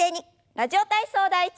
「ラジオ体操第１」。